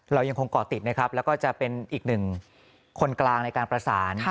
เรายังคงก่อติดนะครับแล้วก็จะเป็นอีกหนึ่งคนกลางในการประสาน